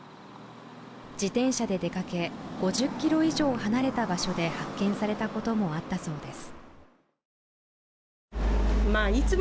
自転車で出かけ５０ｋｍ以上離れた場所で発見されたこともあったそうです